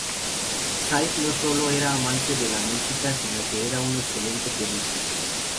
Said no solo era amante de la música sino que era un excelente pianista.